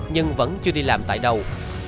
nhưng vẫn chưa đi làm tại đâu